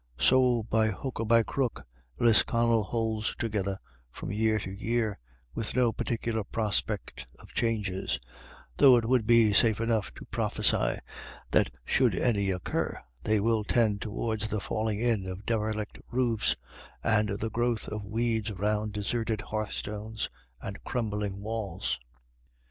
So, by hook or by crook, Lisconnel holds together from year to year, with no particular prospect of changes ; though it would be safe enough to prophesy that should any occur, they will tend towards the falling in of derelict roofs, and the growth of weeds round deserted hearth stones and crumbling walls.